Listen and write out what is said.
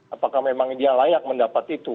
apakah memang dia layak mendapat itu